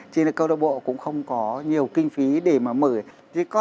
chỉ là câu đồng bộ cũng không có nhiều kinh phí để mà mở